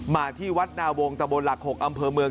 มาที่วัดนาวงตะบนหลัก๖อำเภอเมือง